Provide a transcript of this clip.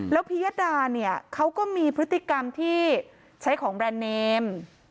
แล้วพิยดาเนี่ยเขาก็มีพฤติกรรมที่ใช้ของแบรนด์เนม